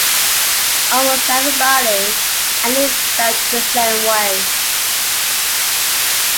Almost everybody I knew felt the same way.